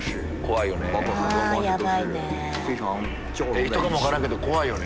いい人かも分からんけど怖いよね。